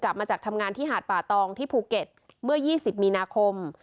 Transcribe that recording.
มาจากทำงานที่หาดป่าตองที่ภูเก็ตเมื่อ๒๐มีนาคม